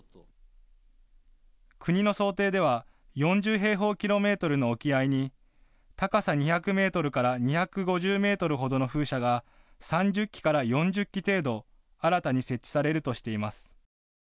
国の想定では４０平方キロメートルの沖合に高さ２００メートルから２５０メートルほどの風車が３０基から４０基程度、新たに設置されるとしています。